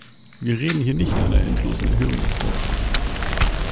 Wir reden hier nicht einer endlosen Erhöhung das Wort.